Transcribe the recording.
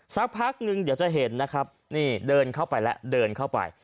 สักพักหนึ่งเดี๋ยวจะเห็นนะครับนี่เดินเข้าไปแล้วเดินเข้าไป